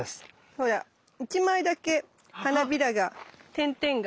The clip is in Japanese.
ほら１枚だけ花びらが点々が。